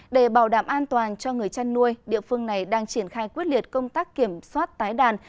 để bảo đảm an toàn cho người chăn nuôi địa phương này đang triển khai quyết liệt công tác kiểm soát tái đàn